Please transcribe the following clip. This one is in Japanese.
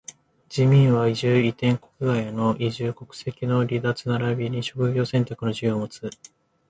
人民は居住、移転、国外への移住、国籍の離脱ならびに職業選択の自由をもつ。